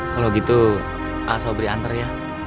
kalau gitu sobri anter ya